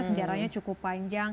sejarahnya cukup panjang